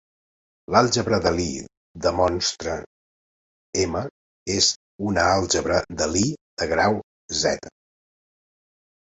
L'àlgebra de Lie de monstre "m" és una àlgebra de Lie de grau "z".